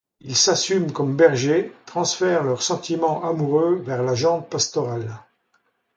Ils s'assument comme bergers, transfèrent leurs sentiments amoureux vers la gente pastorale.